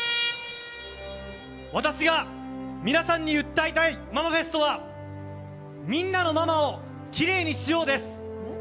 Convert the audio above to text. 私が皆さんに訴えたいママフェストはみんなのママをきれいにしよう！です。